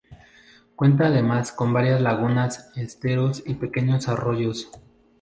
Cuenta además con varias lagunas, esteros y pequeños arroyos.